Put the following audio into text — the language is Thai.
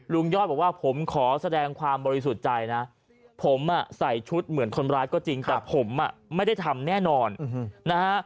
ยอดบอกว่าผมขอแสดงความบริสุทธิ์ใจนะผมใส่ชุดเหมือนคนร้ายก็จริงแต่ผมไม่ได้ทำแน่นอนนะฮะ